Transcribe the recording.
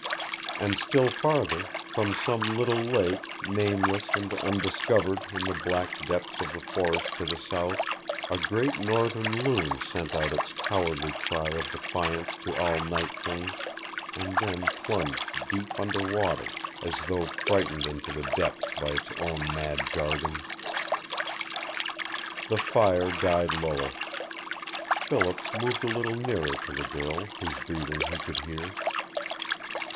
And still farther, from some little lake nameless and undiscovered in the black depths of the forest to the south, a great northern loon sent out its cowardly cry of defiance to all night things, and then plunged deep under water, as though frightened into the depths by its own mad jargon. The fire died lower. Philip moved a little nearer to the girl, whose breathing he could hear.